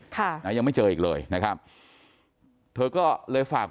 ค่ะนะยังไม่เจออีกเลยนะครับเธอก็เลยฝาก